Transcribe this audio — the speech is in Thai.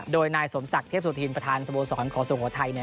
โดยนายสมศักดิ์เทพสุธินประธานสโมสรของสุโขทัยเนี่ย